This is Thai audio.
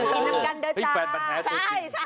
กินน้ำกันเด้อจ้ะ